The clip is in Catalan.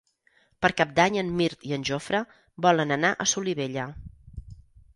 Per Cap d'Any en Mirt i en Jofre volen anar a Solivella.